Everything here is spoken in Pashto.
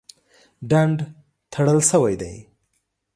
ډنډ تړل شوی دی.